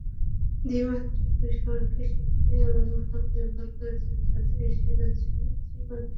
দ্বিমাত্রিক পরিসরকে শিল্পী এমনভাবে ব্যবহার করেছেন, যাতে এসে গেছে ত্রিমাত্রিক আভাস।